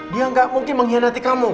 dia gak mungkin mengkhianati kamu